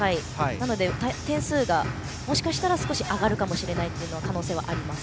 なので、点数がもしかしたら少し上がるかもしれないという可能性はあります。